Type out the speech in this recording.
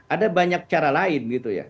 ada banyak cara lain gitu ya